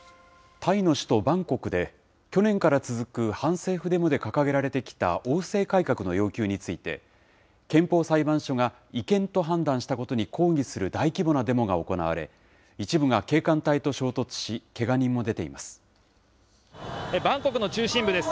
タイの首都バンコクで、去年から続く反政府デモで掲げられてきた王制改革の要求について、憲法裁判所が違憲と判断したことに抗議する大規模なデモが行われ、一部が警官隊と衝突し、けが人も出てバンコクの中心部です。